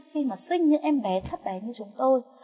khi mà sinh những em bé thấp đấy như chúng tôi